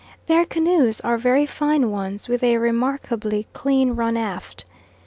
Their canoes are very fine ones, with a remarkably clean run aft.